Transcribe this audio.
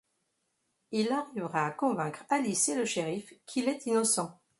Il arrivera à convaincre Alice et le shérif qu'il est innocent.